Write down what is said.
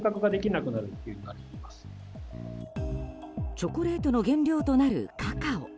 チョコレートの原料となるカカオ。